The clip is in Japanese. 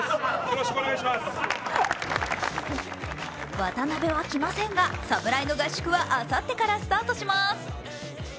渡部は来ませんが侍の合宿はあさってからスタートします。